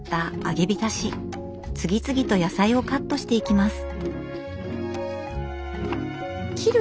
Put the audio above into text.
次々と野菜をカットしていきます。